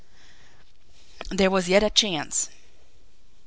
There was yet a chance.